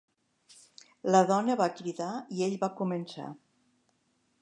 La dona va cridar i ell va començar.